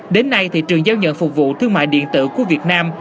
đến nay thị trường giao nhận phục vụ thương mại điện tử của việt nam